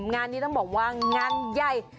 งานนี้ต้องบอกว่างานใหญ่